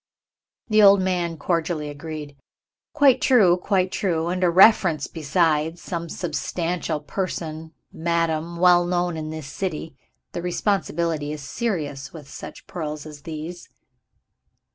The old man cordially agreed. "Quite true! quite true! And a reference besides some substantial person, madam, well known in this city. The responsibility is serious with such pearls as these."